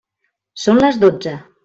Són les dotze.